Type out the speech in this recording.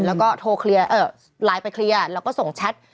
แล้วก็โทรไลน์ไปเคลียร์แล้วก็ส่งแชท